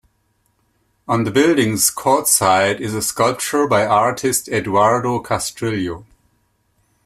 On the building's courtside is a sculpture by artist Eduardo Castrillo.